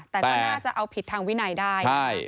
แต่ก็น่าจะเอาผิดทางวินัยได้